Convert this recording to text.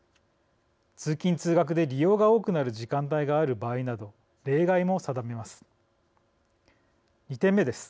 通勤・通学で利用が多くなる時間帯がある場合など例外も定めます。